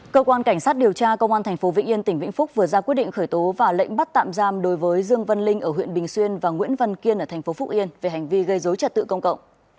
cơ quan cảnh sát điều tra công an tp vĩnh yên tỉnh vĩnh phúc vừa ra quyết định khởi tố và lệnh bắt tạm giam đối với dương vân linh ở huyện bình xuyên và nguyễn văn kiên ở tp phúc yên về hành vi gây dối trật tự công cộng